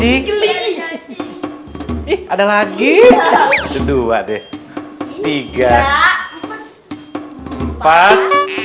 ih ada lagi dua tiga empat